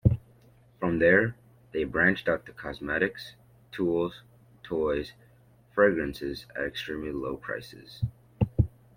From there, they branched out to cosmetics, tools, toys, fragrances at extremely low prices.